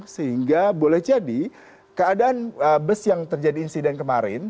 sehingga boleh jadi keadaan bus yang terjadi insiden kemarin